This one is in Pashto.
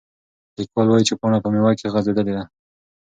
لیکوال وایي چې پاڼه په میوه کې غځېدلې ده.